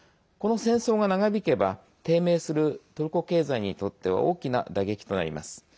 この戦争が長引けば低迷するトルコ経済にとっては大きな打撃となります。